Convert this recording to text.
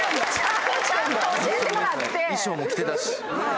衣装も着てたし。